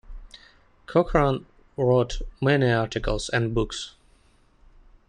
Cochran wrote many articles and books.